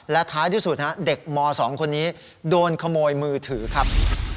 และท้ายที่สุดเด็กม๒คนนี้โดนขโมยมือถือครับ